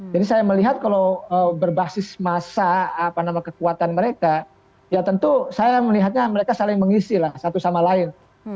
jadi saya melihat kalau berbasis masa apa nama kekuatan mereka ya tentu saya melihatnya mereka saling mengisi lah satu sama lain